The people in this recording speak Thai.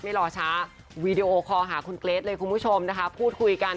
รอช้าวีดีโอคอลหาคุณเกรทเลยคุณผู้ชมนะคะพูดคุยกัน